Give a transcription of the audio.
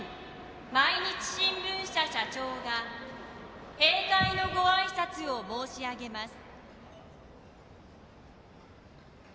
毎日新聞社社長が閉会のごあいさつを申し上げます。